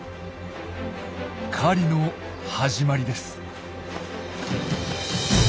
狩りの始まりです。